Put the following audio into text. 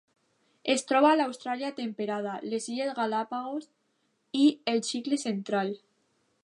Es troba a l'Austràlia temperada, les Illes Galápagos i el Xile central.